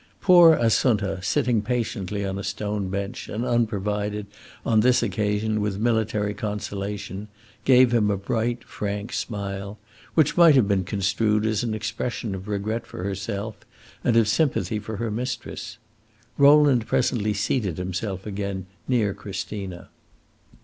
Poor Assunta, sitting patiently on a stone bench, and unprovided, on this occasion, with military consolation, gave him a bright, frank smile, which might have been construed as an expression of regret for herself, and of sympathy for her mistress. Rowland presently seated himself again near Christina.